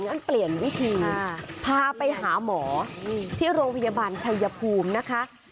งั้นเปลี่ยนวิธีพาไปหาหมอที่โรงพยาบาลชัยภูมินะคะ